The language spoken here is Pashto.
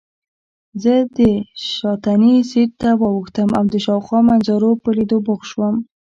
زه شاتني سېټ ته واوښتم او د شاوخوا منظرو په لیدو بوخت شوم.